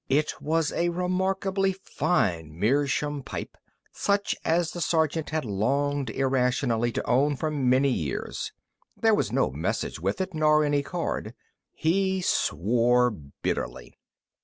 It was a remarkably fine meerschaum pipe, such as the sergeant had longed irrationally to own for many years. There was no message with it, nor any card. He swore bitterly.